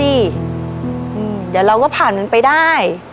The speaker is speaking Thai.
เดี๋ยวเราก็ผ่านมันไปได้